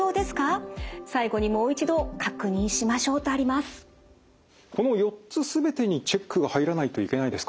まずこの４つ全てにチェックが入らないといけないですか？